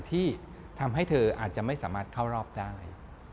ที่ทำให้เธออาจจะไม่สามารถเข้ารอบได้